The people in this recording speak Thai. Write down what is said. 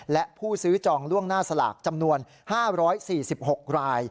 และผู้ซื้อจองล่วงหน้าสลากจำนวน๕๔๖ราย